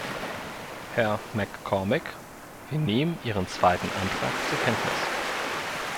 Herr MacCormick, wir nehmen Ihren zweiten Antrag zur Kenntnis.